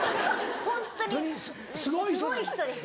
ホントにすごい人です。